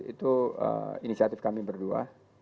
itu inisiatif kami berdua